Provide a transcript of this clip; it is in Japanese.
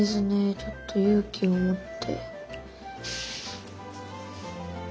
ちょっと勇気を持って。